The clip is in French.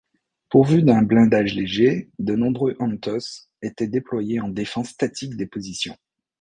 Pourvu d'un blindage léger, de nombreux Ontos étaient déployés en défense statique des positions.